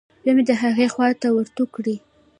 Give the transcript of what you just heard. بيا مې د هغې خوا ته ورتو کړې.